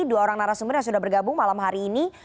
dua orang narasumber yang sudah bergabung